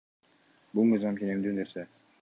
Бул мыйзам ченемдүү нерсе.